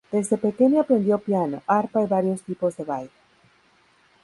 Desde pequeña aprendió piano, arpa y varios tipos de baile.